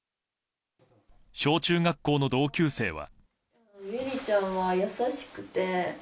小中学校の同級生は。